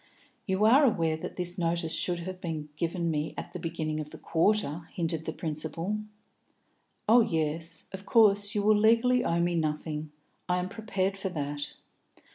"You are aware that this notice should have been given me at the beginning of the quarter?" hinted the principal. "Oh yes. Of course you will legally owe me nothing. I am prepared for that."